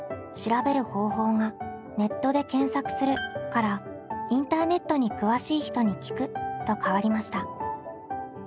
調べる方法が「ネットで検索する」から「インターネットに詳しい人に聞く」と変わりました。